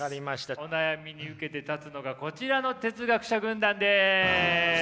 お悩みに受けて立つのがこちらの哲学者軍団です。